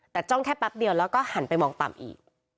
แต่จ้องแค่แป๊บเดียวแล้วก็หันไปมองต่ำอีก